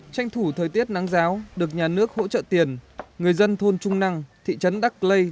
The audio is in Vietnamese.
tranh thủ thời tiết nắng giáo được nhà nước hỗ trợ tiền người dân thôn trung năng thị trấn đắc lây